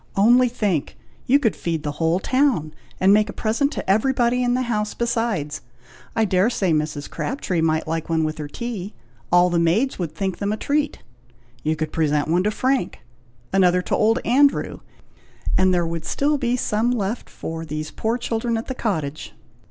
Only think! you could feed the whole town, and make a present to everybody in the house besides! I dare say Mrs. Crabtree might like one with her tea. All the maids would think them a treat. You could present one to Frank, another to old Andrew, and there would still be some left for these poor children at the cottage."